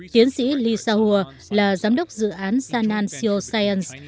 tiến sĩ li shaohua là giám đốc dự án sanan xio science